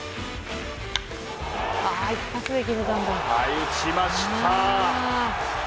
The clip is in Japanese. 打ちました！